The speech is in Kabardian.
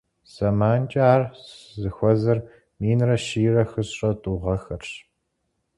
ЗэманкӀэ ар зыхуэзэр минрэ щийрэ хыщӀрэ тӀу гъэхэрщ.